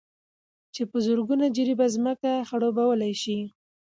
چې په زرگونو جرېبه ځمكه خړوبولى شي،